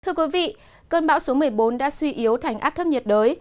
thưa quý vị cơn bão số một mươi bốn đã suy yếu thành áp thấp nhiệt đới